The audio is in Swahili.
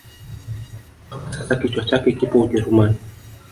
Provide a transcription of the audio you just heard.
Mpaka sasa kichwa chake kipo ujerumani